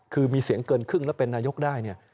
คือมีเสียงเกินครึ่งแล้วเป็นนายกได้เนี่ย